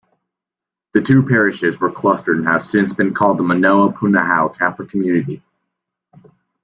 The two parishes were clustered and have since been called the Manoa-Punahou Catholic Community.